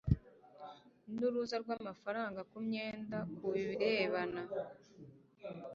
n'uruza rw amafaranga ku myenda ku birebana